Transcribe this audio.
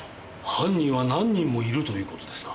「犯人は何人もいる」ということですか？